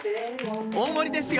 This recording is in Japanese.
大盛りですよ！